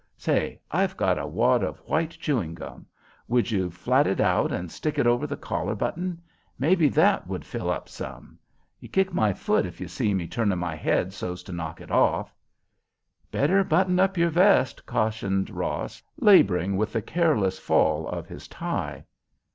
Say! I've got a wad of white chewing gum; would you flat it out and stick it over the collar button? Maybe that would fill up some. You kick my foot if you see me turning my head so's to knock it off." "Better button up your vest," cautioned Ross, laboring with the "careless" fall of his tie.